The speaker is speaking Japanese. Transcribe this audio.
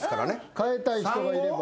変えたい人がいれば。